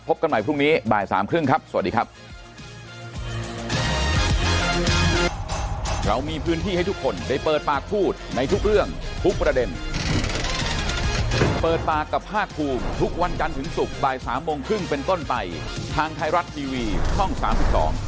พบกันใหม่พรุ่งนี้บ๑๘๓๐ครับสวัสดีครับ